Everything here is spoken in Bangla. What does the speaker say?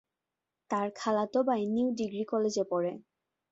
তার খালাতো ভাই নিউ ডিগ্রি কলেজে পড়ে।